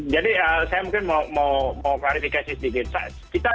jadi saya mungkin mau clarifikasi sedikit